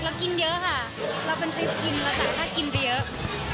ค่ะเรากินเยอะค่ะเราเป็นทริปกินเราจะกินไปเยอะ